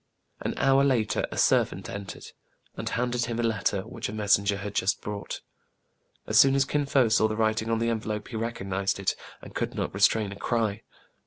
An hour later a servant entered, and handed him a letter, which a messenger had just brought. As soon as Kin Fo saw the writing on the envelope, he recognized it, and could not restrain a cry.